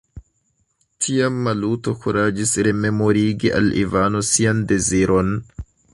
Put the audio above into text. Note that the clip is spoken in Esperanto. Tiam Maluto kuraĝis rememorigi al Ivano sian deziron.